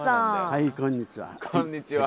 はいこんにちは。